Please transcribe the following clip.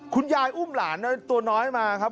คุณยายอุ้มหลานตัวน้อยมาครับ